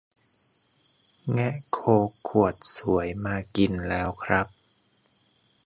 แงะโค้กขวดสวยมากินแล้วครับ